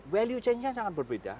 value change nya sangat berbeda